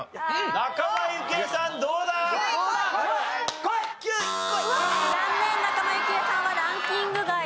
仲間由紀恵さんはランキング外です。